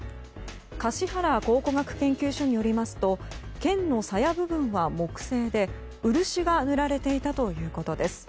橿原考古学研究所によりますと剣のさや部分は木製で漆が塗られていたということです。